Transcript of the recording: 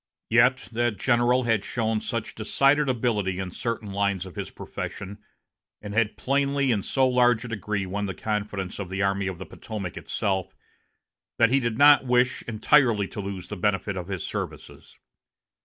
Yet that general had shown such decided ability in certain lines of his profession, and had plainly in so large a degree won the confidence of the Army of the Potomac itself, that he did not wish entirely to lose the benefit of his services.